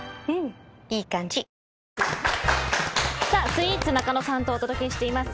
スイーツなかのさんとお届けしています